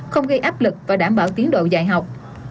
không gây áp lực và đảm bảo tiến độ dạy học